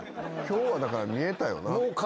今日はだから見えたよな。